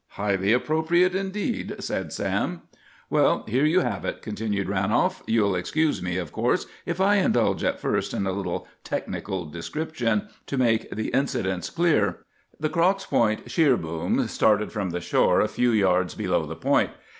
'" "Highly appropriate, indeed!" said Sam. "Well, here you have it!" continued Ranolf. "You'll excuse me, of course, if I indulge at first in a little technical description, to make the incidents clear. "The Crock's Point sheer boom started from the shore a few yards below the Point.